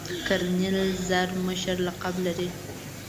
کرنیل زر مشر لقب لري.